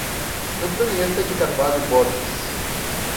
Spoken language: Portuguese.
Antonieta de Carvalho Borges